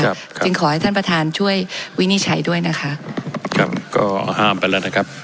จึงขอให้ท่านประธานช่วยวินิจฉัยด้วยนะคะครับก็ห้ามไปแล้วนะครับ